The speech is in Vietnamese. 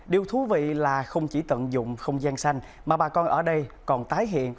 điều thú vị là không chỉ tận dụng không gian xanh mà bà con ở đây còn tái hiện